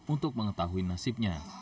untuk mengetahui nasibnya